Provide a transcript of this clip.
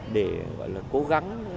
để gọi là cố gắng